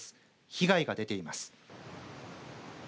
被害が出ています。